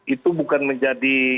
itu bukan menjadi